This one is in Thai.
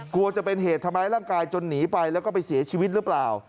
กลัวจะเป็นเหตุทำร้ายร่างกายจนหนีไปแล้วก็ไปเสียชีวิตหรือเปล่า